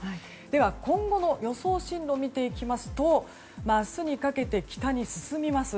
では、今後の予想進路を見ていきますと明日にかけて北に進みます。